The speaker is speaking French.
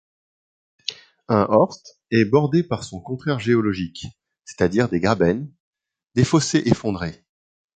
Un horst est bordé par son contraire géologique, c'est-à-dire des grabens, des fossés effondrés.